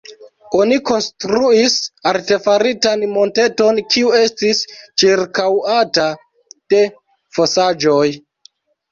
Oni konstruis artefaritan monteton, kiu estis ĉirkaŭata de fosaĵoj.